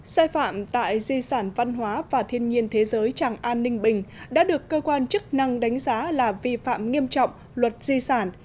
sai phạm tại di sản văn hóa và thiên nhiên thế giới tràng an ninh bình đã được cơ quan chức năng đánh giá là vi phạm nghiêm trọng luật di sản